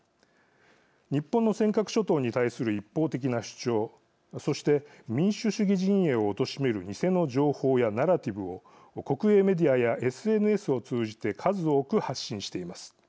日本の尖閣諸島に対する一方的な主張そして民主主義陣営をおとしめる偽の情報やナラティブを国営メディアやＳＮＳを通じて数多く発信しています。